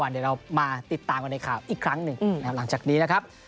เดี๋ยวเรามาติดตามกันในข่าวอีกครั้งหนึ่งนะครับหลังจากนี้นะครับ